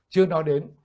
chưa nói đến